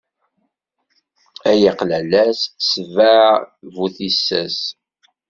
Ay aqlalas ssbeɛ bu tissas.